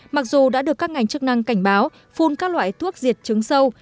mặc dù đã được các ngành chức năng cảnh báo phun các loại thuốc diệt trứng sâu